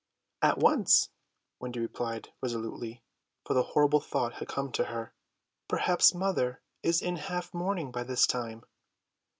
"At once," Wendy replied resolutely, for the horrible thought had come to her: "Perhaps mother is in half mourning by this time."